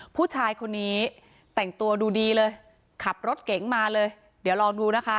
ผู้ชายคนนี้แต่งตัวดูดีเลยขับรถเก๋งมาเลยเดี๋ยวลองดูนะคะ